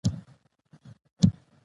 د اصفهان دیوان بیګي نوی دنده ترلاسه کړه.